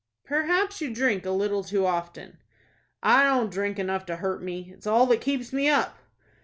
"Perhaps you drink a little too often." "I don't drink enough to hurt me. It's all that keeps me up."